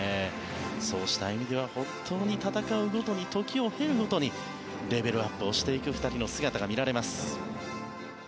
そうした演技は本当に戦うごとに時を経るごとにレベルアップをしていく２人の姿が見られます。